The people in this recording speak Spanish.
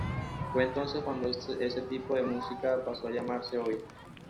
Fue entonces cuando ese tipo de música paso a llamarse Oi!